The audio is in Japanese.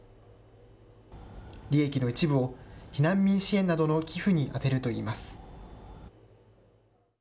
利益の一部を避難民支援などの寄付に充てるといいます。